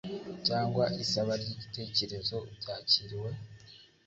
cyangwa isaba ry igitekerezo byakiriwe ?